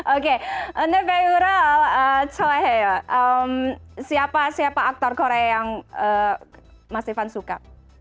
oke ini beneran saya suka siapa siapa aktor korea yang mas ivan suka